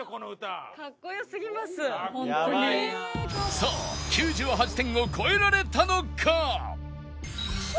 さあ９８点を超えられたのか？